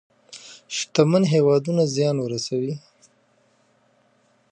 شتمن هېوادونه زيان ورسوي.